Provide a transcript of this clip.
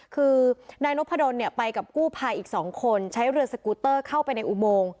คือนายนพดลไปกับกู้ภัยอีก๒คนใช้เรือสกูเตอร์เข้าไปในอุโมง